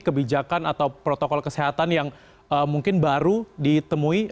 kebijakan atau protokol kesehatan yang mungkin baru ditemui